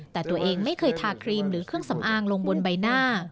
แต่ตัวเองไม่เคยทาครีมหรือเครื่องสำอางลงบนใบหน้า